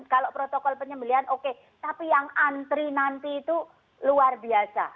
kalau protokol penyembelian oke tapi yang antri nanti itu luar biasa